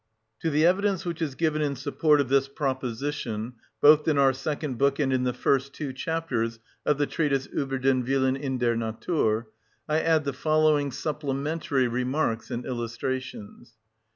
To the evidence which is given in support of this proposition, both in our second book and in the first two chapters of the treatise "Ueber den Willen in der Natur," I add the following supplementary remarks and illustrations.